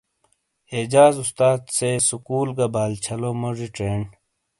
اعجاد استار سے سکول گہ بال چھلو موجی چینڈ۔